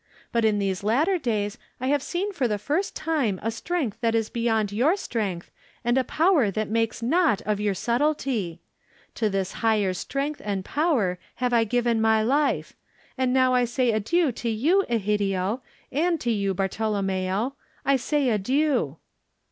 But in these latter days I have seen for the first time a strength that is beyond your strength and a power that makes naught of your subtlety. To this higher strength and power have I given my life. And now I say adieu to you, Egidio, and to you, Bartolommeo, I say adieu."